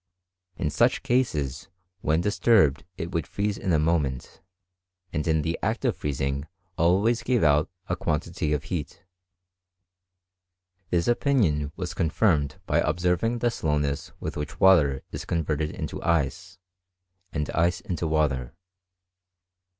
In such cases, when disturbed it would freeze in a moment, and in the act of freezing always gave out a quantity of heat. This opinion was confirmed by observing the slowness with which water is converted into ice, and ice into water.